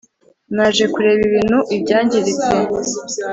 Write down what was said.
naje kureba ibintu ibyangiritse